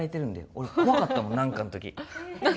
俺、怖かったもん、なんかのとき。